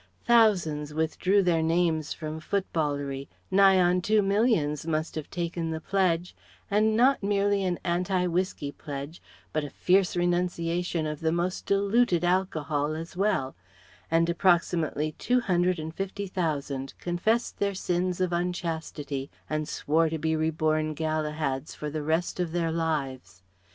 Thousands withdrew their names from foot ballery, nigh on Two Millions must have taken the pledge and not merely an anti whiskey pledge but a fierce renunciation of the most diluted alcohol as well; and approximately two hundred and fifty thousand confessed their sins of unchastity and swore to be reborn Galahads for the rest of their lives.